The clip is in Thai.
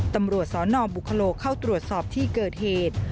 ตำรวจสนบุคโลเข้าตรวจสอบที่เกิดเหตุ